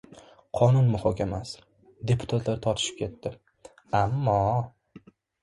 Qonun muhokamasi. Deputatlar tortishib ketdi, ammo...